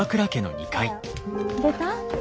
出た？